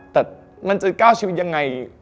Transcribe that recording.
แต่มันจะก้าวชีวิตยังไง